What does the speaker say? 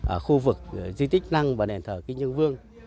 ở khu vực di tích lăng và đền thờ kinh nhân vương